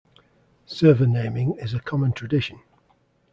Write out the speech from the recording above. Server naming is a common tradition.